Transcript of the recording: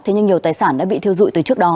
thế nhưng nhiều tài sản đã bị thiêu dụi từ trước đó